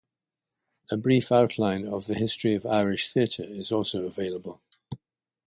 A brief outline of the history of Irish theatre is also available.